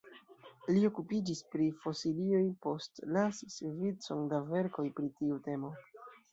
Li okupiĝis pri fosilioj, postlasis vicon da verkoj pri tiu temo.